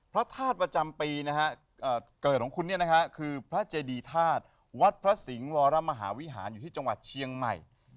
พระธาตุประจำปีนะฮะเกิดของคุณคือพระเจดีธาตุวัดพระสิงห์วรมหาวิหารอยู่ที่จังหวัดเชียงใหม่